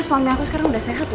suami aku sekarang udah sehat loh